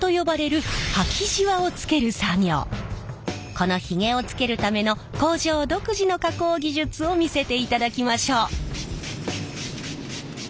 このヒゲをつけるための工場独自の加工技術を見せていただきましょう！